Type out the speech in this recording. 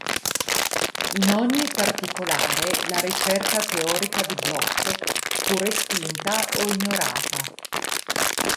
In ogni particolare, la ricerca teorica di Bloch fu respinta o ignorata.